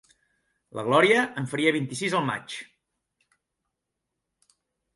La Glòria en faria vint-i-sis al maig.